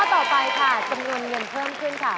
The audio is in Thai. ต่อไปค่ะจำนวนเงินเพิ่มขึ้นค่ะ